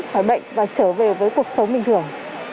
khỏi bệnh và trở về với cuộc sống bình thường